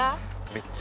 めっちゃ！